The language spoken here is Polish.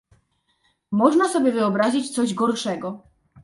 Można sobie wyobrazić coś gorszego?